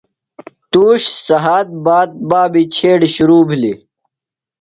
تُوش سھات باد بابی چھیڈیۡ شِرو بِھلیۡ۔